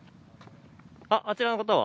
あっあちらの方は？